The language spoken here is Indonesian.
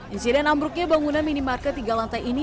insiden ambruknya bangunan minimarket tiga lantai ini